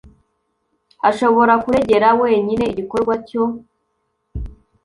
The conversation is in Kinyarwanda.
ashobora kuregera wenyine igikorwa cyo